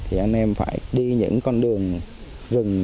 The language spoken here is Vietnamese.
thì anh em phải đi những con đường rừng